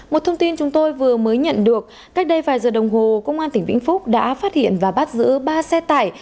một thông tin chúng tôi vừa mới nhận được cách đây vài giờ đồng hồ công an tỉnh vĩnh phúc đã phát hiện và bắt giữ ba xe tải